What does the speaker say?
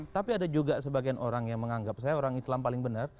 tapi ada juga sebagian orang yang menganggap saya orang islam paling benar